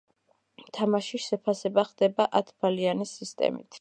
თამაშის შეფასება ხდება ათ ბალიანი სისტემით.